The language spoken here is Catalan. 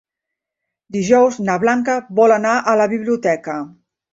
Dijous na Blanca vol anar a la biblioteca.